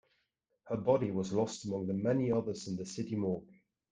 Her body was lost among the many others in the city morgue.